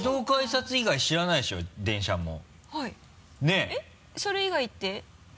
えっ？それ以外って？